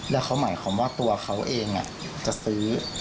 แล้วเขาหมายความว่าตัวเขาเองจะซื้อ